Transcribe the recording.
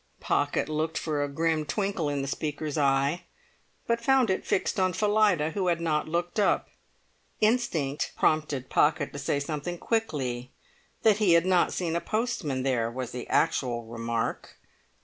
Pocket looked for a grim twinkle in the speaker's eye, but found it fixed on Phillida, who had not looked up. Instinct prompted Pocket to say something quickly; that he had not seen a postman there, was the actual remark.